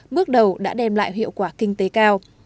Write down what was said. bước đầu đã đem lại hiệu quả kinh tế cao